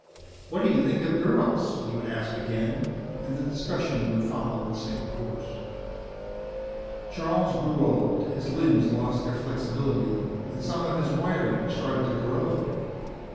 "What do you think of girls?" he would ask again, and the discussion would follow its same course. Charles grew old. His limbs lost their flexibility, and some of his wiring started to corrode.